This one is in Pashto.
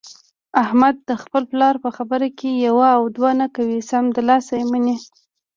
احمد د خپل پلار په خبره کې یوه دوه نه کوي، سمدلاسه یې مني.